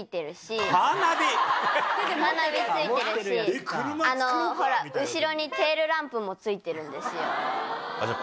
カーナビ付いてるしほら後ろにテールランプも付いてるんですよ。